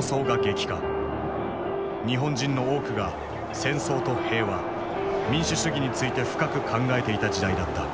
日本人の多くが戦争と平和民主主義について深く考えていた時代だった。